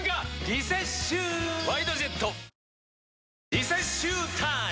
リセッシュータイム！